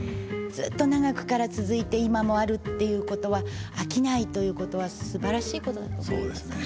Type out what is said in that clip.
ずっと長くから続いて今もあるっていうことは飽きないということはすばらしいことだと思います。